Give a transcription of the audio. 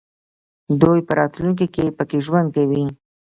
دوی په راتلونکي کې پکې ژوند کوي.